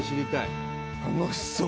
楽しそう！